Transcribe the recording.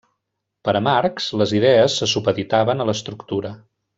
Per a Marx les idees se supeditaven a l'estructura.